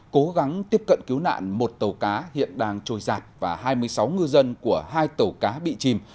cố gắng tiếp cận cứu nạn một tàu cá hiện đang trôi giạt và hai mươi sáu ngư dân của hai tàu cá bị chìm